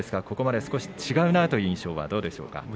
ここまで少し違うなという印象は、どうですか？